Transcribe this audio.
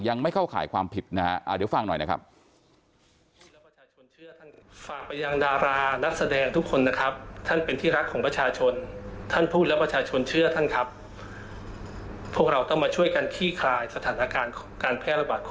ยังไม่เข้าขายความผิดนะครับ